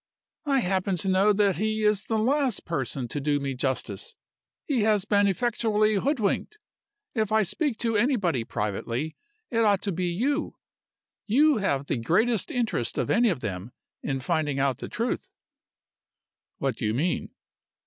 "I happen to know that he is the last person to do me justice. He has been effectually hoodwinked. If I speak to anybody privately, it ought to be to you. You have the greatest interest of any of them in finding out the truth." "What do you mean?"